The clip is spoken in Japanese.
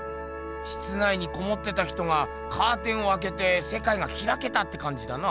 室内にこもってた人がカーテンをあけてせかいがひらけたってかんじだな。